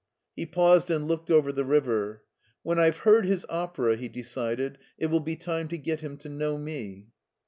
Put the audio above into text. He paused and looked over the river. " When Tve heard his opera," he decided, *' it will be time to get him to know me."